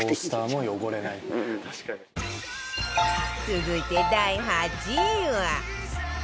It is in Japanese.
続いて第８位は